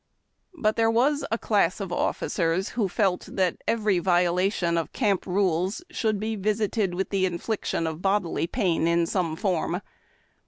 But there was a class of officers who felt that every violation of camp rules should be visited with the infliction of bodily pain in some form.